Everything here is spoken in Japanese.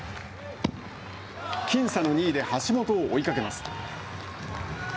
僅差の２位で橋本を追いかけます。